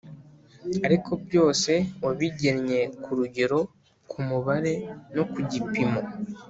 Ariko byose wabigennye ku rugero, ku mubare, no ku gipimo.